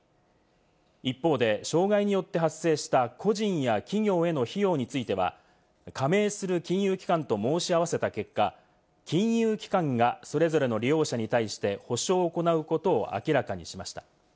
一方で、障害によって発生した個人や企業への費用については、加盟する金融機関と申し合わせた結果、金融機関がそれぞれの利用者に対して補償を行うことを明らかにしました。